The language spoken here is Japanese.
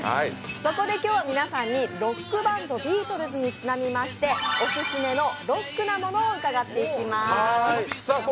そこで今日は皆さんにロックバンド、ビートルズにちなみましてオススメのロックなものを伺っていきます。